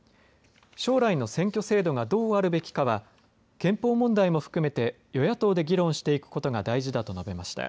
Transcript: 将来の選挙制度がどうあるべきかは憲法問題も含めて与野党で議論していくことが大事だと述べました。